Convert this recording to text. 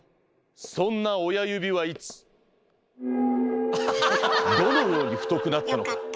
そんな親指はいつどのように太くなったのか。